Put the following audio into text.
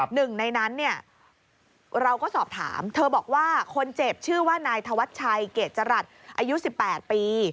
หนึ่งในนั้นเนี่ยเราก็สอบถามเธอบอกว่าคนเจ็บชื่อว่านายธวัชชัยเกรดจรัสอายุ๑๘ปี